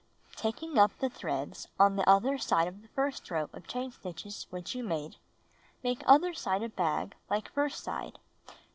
Taking up the threads on the other side of the first row of chain stitches which you made, make other side of bag like first side.